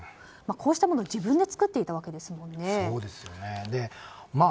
こうしたものを自分で作っていたわけですもんね。